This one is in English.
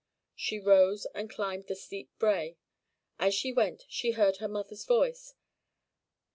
She rose and climbed the steep brae. As she went she heard her mother's voice.